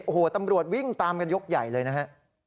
โอ้โหตำรวจวิ่งตามกันยกใหญ่เลยนะฮะ